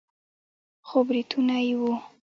خو برېتونه يې وو.